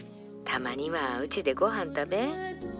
たまにはうちでごはん食べ。